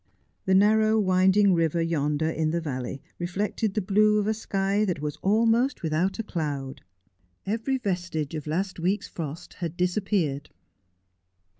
The narrow winding river yonder in the valley reflected the blue of a sky that was almost without a cloud. Every vest age of last week's frost had disappeared.